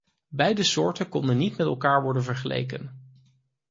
Beide soorten konden niet met elkaar worden vergeleken.